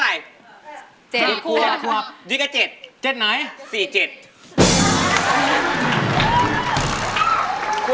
อายุ๒๔ปีวันนี้บุ๋มนะคะ